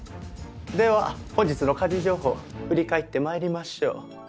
では本日の家事情報振り返って参りましょう。